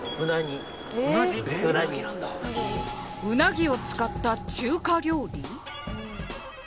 ウナギを使った中華料理？